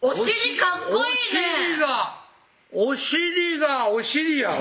お尻がお尻やわ